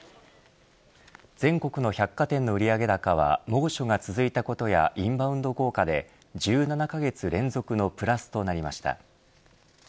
全国の百貨店の売上高は猛暑が続いたことやインバウンド効果で１７カ月連続のプラスとなりました。